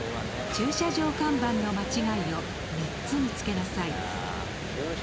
駐車場看板の間違いを３つ見つけなさい。